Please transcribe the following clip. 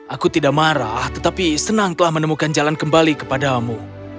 aku tidak marah tetapi senang telah menemukan jalan kembali kepadamu